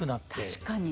確かに。